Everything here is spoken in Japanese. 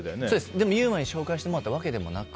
でも優馬に紹介してもらったわけでもなく。